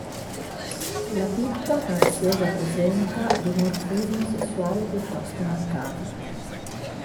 La pitta graziosa presenta dimorfismo sessuale piuttosto marcato.